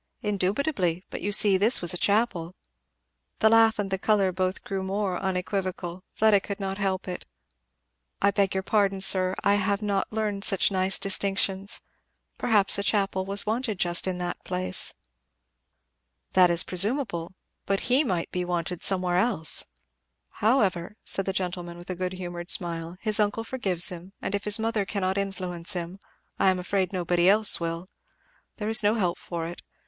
"Indubitably. But you see, this was a chapel." The laugh and the colour both grew more unequivocal Fleda could not help it. "I beg your pardon, sir I have not learned such nice distinctions Perhaps a chapel was wanted just in that place." "That is presumable. But he might be wanted somewhere else. However," said the gentleman with a good humoured smile, "his uncle forgives him; and if his mother cannot influence him, I am afraid nobody else will. There is no help for it.